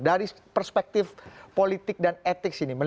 dari perspektif politik dan etik sini